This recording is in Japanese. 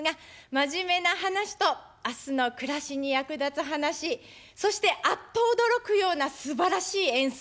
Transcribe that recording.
真面目な話と明日の暮らしに役立つ話そしてあっと驚くようなすばらしい演奏